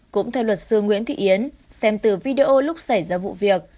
cũng theo luật sư nguyễn thị yến xem từ video lúc xảy ra vụ việc